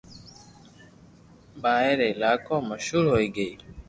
پاھي ري علائقون مشھور ھوئي گئي